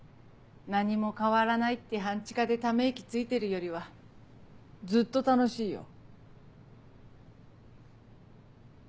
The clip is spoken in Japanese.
何も変わらないって半地下でため息ついてるよりはずっと楽しいよ。